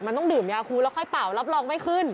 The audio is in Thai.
มันต้องดื่มยาคูแล้วค่อยเป่ารับรองไม่ขึ้น